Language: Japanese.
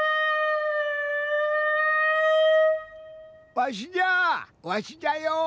わしじゃわしじゃよ。